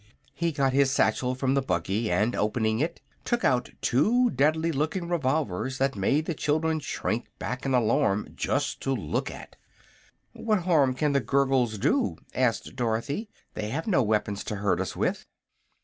He got his satchel from the buggy and, opening it, took out two deadly looking revolvers that made the children shrink back in alarm just to look at. "What harm can the Gurgles do?" asked Dorothy. "They have no weapons to hurt us with."